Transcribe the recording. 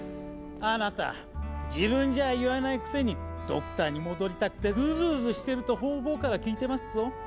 あなた自分じゃ言わないくせにドクターに戻りたくてうずうずしてると方々から聞いてますぞ。